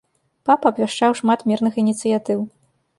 Папа абвяшчаў шмат мірных ініцыятыў.